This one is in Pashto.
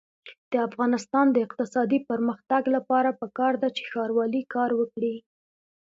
د افغانستان د اقتصادي پرمختګ لپاره پکار ده چې ښاروالي کار وکړي.